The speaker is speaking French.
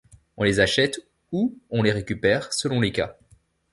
On les achète ou on les récupère, selon les cas.